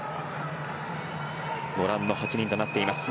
ご覧の８人となっています。